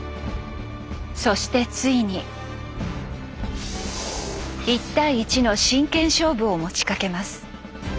そしてついに一対一の真剣勝負を持ちかけます。